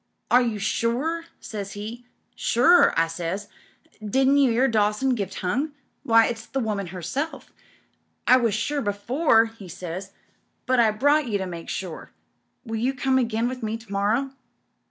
'Are you sure?' says he. 'Sure/ I says, 'didn't you 'ear Dawson give tongue? Why, it's the woman herself.' 'I was sure before,' he says, 'but I brought you to make sure. Will you come again with me to morrow